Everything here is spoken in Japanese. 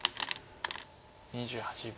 ２８秒。